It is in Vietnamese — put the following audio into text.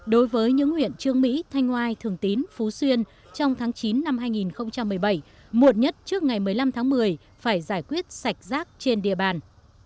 đối với những huyện trương mỹ thanh oai thường tín phú xuyên trong tháng chín năm hai nghìn một mươi bảy muộn nhất trước ngày một mươi năm tháng một mươi phải giải quyết sạch rác trên địa bàn